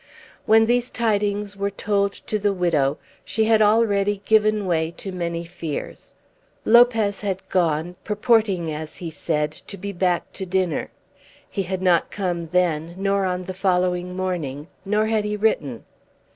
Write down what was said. When these tidings were told to the widow she had already given way to many fears. Lopez had gone, purporting, as he said, to be back to dinner. He had not come then, nor on the following morning; nor had he written.